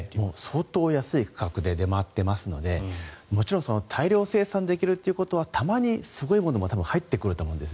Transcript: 相当安い価格で出回っていますのでもちろん大量生産できるということはたまにすごいものも多分、入ってくると思うんです。